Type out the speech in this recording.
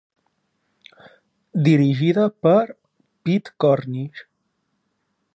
Dirigida per Pete Cornish.